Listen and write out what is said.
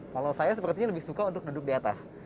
kalau saya sepertinya lebih suka untuk duduk di atas